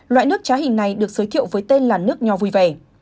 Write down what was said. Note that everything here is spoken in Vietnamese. loại nước trá hình này được giới thiệu với tên là nước nho vui vẻ